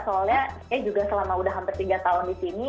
soalnya saya juga selama udah hampir tiga tahun di sini